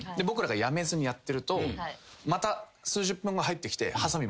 僕らがやめずにやってるとまた数十分後入ってきて。